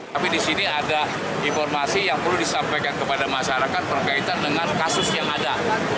tapi di sini ada informasi yang perlu disampaikan kepada masyarakat berkaitan dengan kasus yang ada